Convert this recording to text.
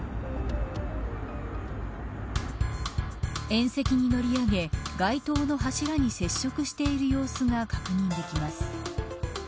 縁石に乗り上げ街灯の柱に接触している様子が確認できます。